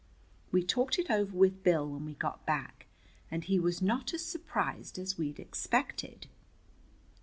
We talked it over with Bill when we got back, and he was not as surprised as we'd expected.